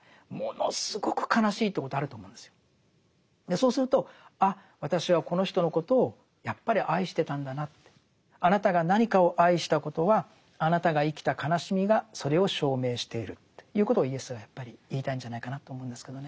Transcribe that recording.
そうするとあっ私はこの人のことをやっぱり愛してたんだなって。あなたが何かを愛したことはあなたが生きた悲しみがそれを証明しているということをイエスはやっぱり言いたいんじゃないかなと思うんですけどね。